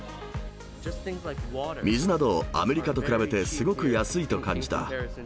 水などアメリカと比べてすごく安いと感じた。